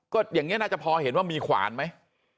ก็อย่างนี้น่าจะพอเห็นว่ามีขวานไหม